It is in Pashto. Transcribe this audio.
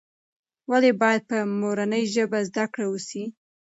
ولې باید په مورنۍ ژبه زده کړه وسي؟